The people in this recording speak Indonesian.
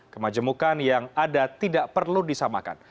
kemajemukan yang ada tidak perlu disamakan